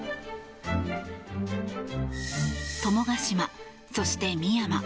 友ヶ島、そして深山。